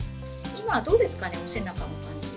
今はどうですかねお背中の感じ。